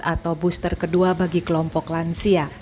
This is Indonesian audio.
atau booster kedua bagi kelompok lansia